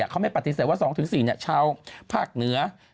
เขาไม่ปฏิเสธว่า๒๔ชาวภาคเหนือ